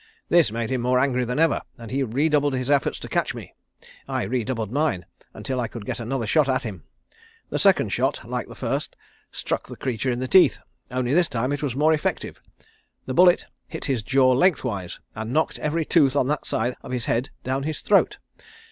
This made him more angry than ever, and he redoubled his efforts to catch me. I redoubled mine, until I could get another shot at him. The second shot, like the first, struck the creature in the teeth, only this time it was more effective. The bullet hit his jaw lengthwise, and knocked every tooth on that side of his head down his throat.